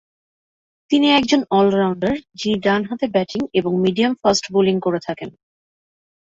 তিনি একজন অল-রাউন্ডার, যিনি ডানহাতে ব্যাটিং এবং মিডিয়াম ফাস্ট বোলিং করে থাকেন।